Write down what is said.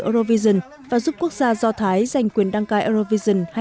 eurovision và giúp quốc gia do thái giành quyền đăng cai eurovision hai nghìn một mươi chín